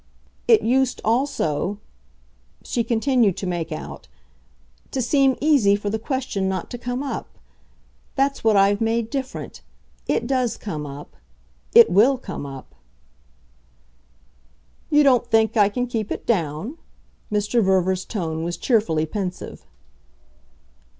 It used also" she continued to make out "to seem easy for the question not to come up. That's what I've made different. It does come up. It WILL come up." "You don't think I can keep it down?" Mr. Verver's tone was cheerfully pensive.